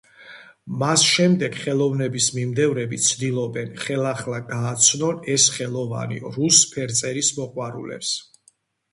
მას შემდეგ ხელოვნების მიმდევრები ცდილობენ ხელახლა გააცნონ ეს ხელოვანი რუს ფერწერის მოყვარულებს.